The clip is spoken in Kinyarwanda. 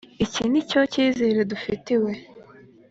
iki ni cyo cyizere dufitiwe?